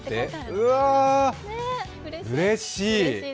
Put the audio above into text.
うわー、うれしい。